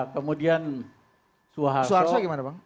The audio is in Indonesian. kemudian suaharto suaharto gimana bang